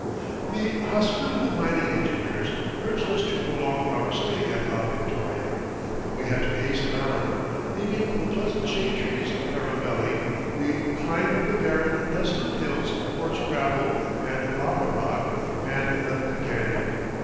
The hospitable mining engineers urged us to prolong our stay at "La Victoria," but we had to hasten on. Leaving the pleasant shade trees of Caraveli, we climbed the barren, desolate hills of coarse gravel and lava rock and left the canyon.